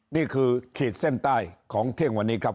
ขีดเส้นใต้ของเที่ยงวันนี้ครับ